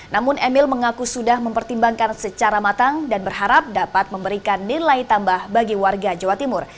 namun emil mengaku sudah mempertimbangkan secara matang dan berharap dapat memberikan nilai tambah bagi warga jawa timur